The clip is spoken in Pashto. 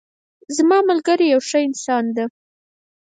زما ملګری یو ښه انسان ده